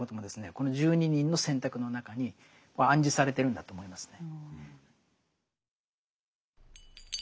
この十二人の選択の中には暗示されてるんだと思いますね。